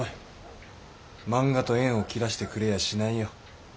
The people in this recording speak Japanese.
漫画と縁を切らしてくれやしないよ。